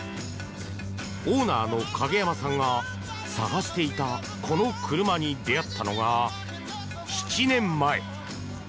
オーナーの陰山さんが探していたこの車に出会ったのが、７年前。